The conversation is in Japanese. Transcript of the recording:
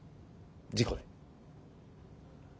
事故で。